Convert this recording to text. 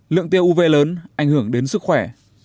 lượng tiêu uv lớn ảnh hưởng đến sức khỏe